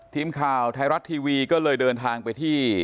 ทีมข่าวไทยรัฐทีวีก็เลยเดินทางไปที่